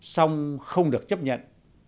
xong không được chấp nhận